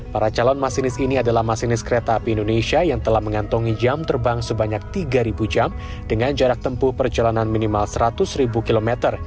para calon masinis ini adalah masinis kereta api indonesia yang telah mengantongi jam terbang sebanyak tiga jam dengan jarak tempuh perjalanan minimal seratus ribu km